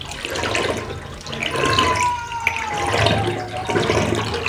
mahakama ya kimataifa ya haki za binadamu ilihukumu kesi za mauaji